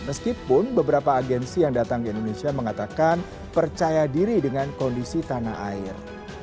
meskipun beberapa agensi yang datang ke indonesia mengatakan percaya diri dengan kondisi tanah air